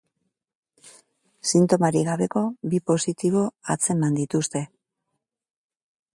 Sintomarik gabeko bi positibo atzeman dituzte.